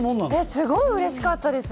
すごくうれしかったです。